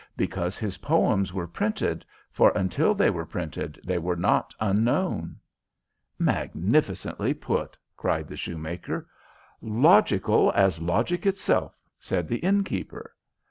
Because his poems were printed, for until they were printed they were not unknown." "Magnificently put!" cried the shoemaker. "Logical as logic itself!" said the innkeeper.